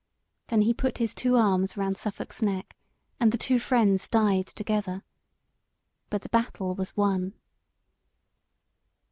Then he put his two arms round Suffolk's neck, and the two friends died together. But the battle was won.